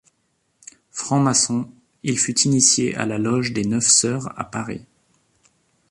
Franc-maçon, il fut initié à la loge des Neuf Sœurs à Paris.